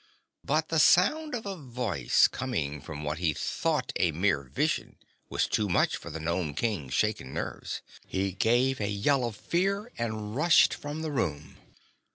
But the sound of a voice coming from what he thought a mere vision was too much for the Nome King's shaken nerves. He gave a yell of fear and rushed from the room.